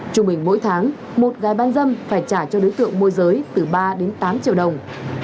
trung bình mỗi tháng một gái bán dâm phải trả cho đối tượng môi giới từ ba đến tám triệu đồng